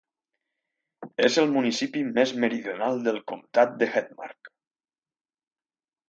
És el municipi més meridional del comtat de Hedmark.